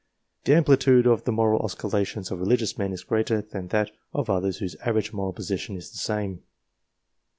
The am plitude of the moral oscillations of religious men is greater than that of others whose average moral position is the same.